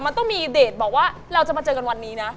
มันต้องมีเดทบอกว่าเราจะมาเจอกันวันนี้นะ